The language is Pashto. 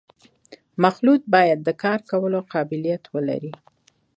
مخلوط باید د کار کولو قابلیت ولري